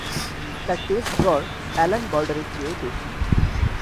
তার টেস্ট গড় অ্যালান বর্ডারের চেয়েও বেশি।